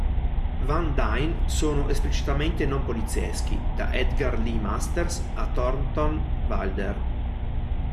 Van Dine, sono esplicitamente non polizieschi: da Edgar Lee Masters a Thornton Wilder.